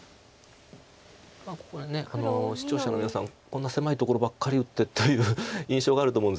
これ視聴者の皆さんこんな狭いところばっかり打ってという印象があると思うんですけど。